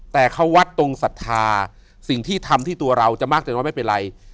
แต่เขาวัดตรงศรัทธาสิ่งที่ทำที่ตัวเราจะมากเกินว่าไม่เป็นไร